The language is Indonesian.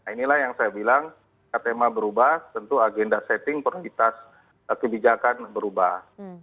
inilah yang saya bilang ketema berubah tentu agenda setting prioritas kebijakan berubah